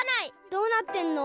どうなってんの？